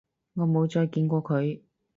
我冇再見過佢